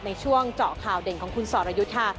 ในช่วงเจาะข่าวเด่นของคุณสรยุทธ์ค่ะ